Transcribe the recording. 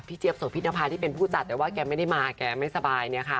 พี่เจี๊ยบสวพิธนภาที่เป็นผู้จัดแต่ว่าแกไม่ได้มาแกไม่สบาย